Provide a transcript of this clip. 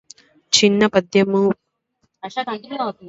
చిన్న పద్యమప్ప జెప్పలేడు